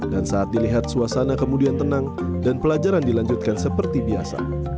dan saat dilihat suasana kemudian tenang dan pelajaran dilanjutkan seperti biasa